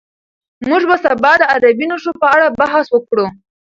موږ به سبا د عربي نښو په اړه بحث وکړو.